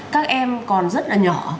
các em còn rất là nhỏ